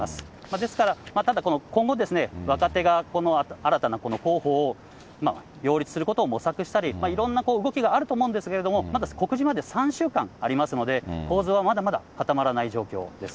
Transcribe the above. ですから、ただ今後、若手が新たな候補を擁立することを模索したり、いろんな動きがあると思うんですけれども、まだ告示まで３週間ありますので、構図はまだまだ固まらない状況です。